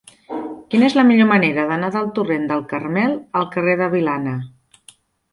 Quina és la millor manera d'anar del torrent del Carmel al carrer de Vilana?